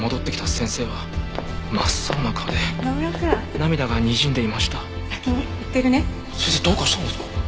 先生どうかしたんですか？